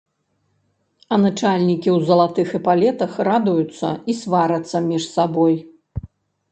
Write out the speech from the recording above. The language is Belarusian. А начальнікі ў залатых эпалетах радуюцца і сварацца між сабой.